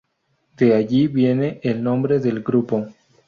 De allí viene el nombre del grupo.